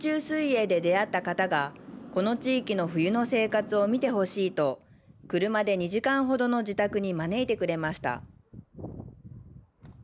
水泳で出会った方がこの地域の冬の生活を見てほしいと車で２時間ほどの自宅に招いてくれました。